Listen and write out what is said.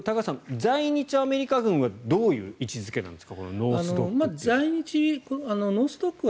在日アメリカ軍はどういう位置付けなんですか？